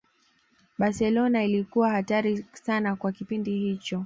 Barcelona ilikuwa hatari sana kwa kipindi hicho